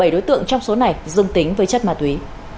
bảy đối tượng trong số này dương tính với chất ma túy